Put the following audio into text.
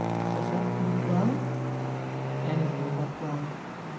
Does that look well? Anything but well.